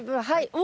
はい。